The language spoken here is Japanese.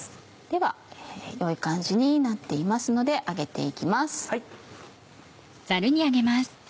では良い感じになっていますので上げて行きます。